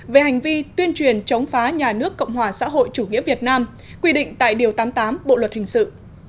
về hành vi tuyên truyền chống phá nhà nước cộng hòa xã hội chủ nghĩa việt nam quy định tại điều tám mươi tám bộ luật hình sự